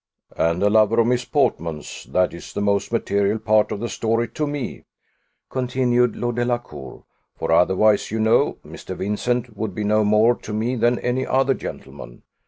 "And a lover of Miss Portman's that is the most material part of the story to me," continued Lord Delacour; "for otherwise, you know, Mr. Vincent would be no more to me than any other gentleman.